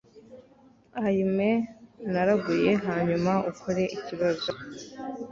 Ay me Naraguye hanyuma ukore ikibazo